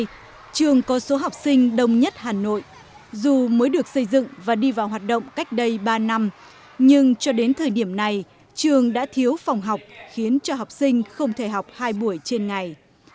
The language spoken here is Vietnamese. trường tiểu học chù vân an quận hoàng mai trường có số học sinh đông nhất hà nội dù mới được xây dựng và đi vào hoạt động cách đây ba năm nhưng cho đến thời điểm này trường đã thiếu phòng học khiến cho học sinh không thể học hai buổi trên ngày